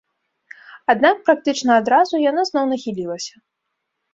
Аднак практычна адразу яна зноў нахілілася.